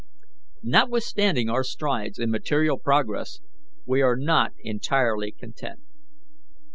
"Notwithstanding our strides in material progress, we are not entirely content.